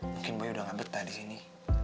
mungkin boy udah ngabet dah di sini